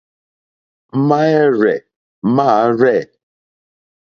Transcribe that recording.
Máɛ́rzɛ̀ mâ rzɛ̂.